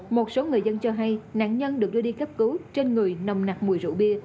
một số người dân cho hay nạn nhân được đưa đi cấp cứu trên người nồng nặc mùi rượu bia